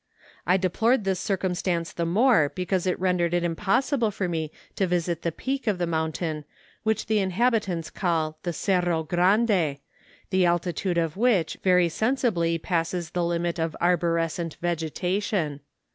I deplored this circumstance the more because it rendered it impossible for me to visit the peak of the mountain which the. inhabitants call the Cerro G rande, the altitude of which very sensibly passes the limit of arborescent vegetation.